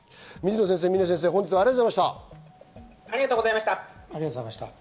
水野先生、峰先生、本日はありがとうございました。